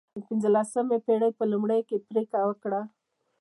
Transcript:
د پنځلسمې پېړۍ په لومړیو کې پرېکړه وکړه.